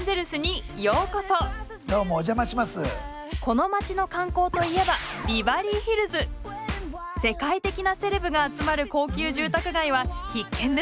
この町の観光といえば世界的なセレブが集まる高級住宅街は必見ですよね。